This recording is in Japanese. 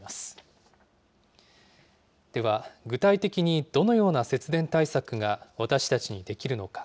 具体的にどのような節電対策が、私たちにできるのか。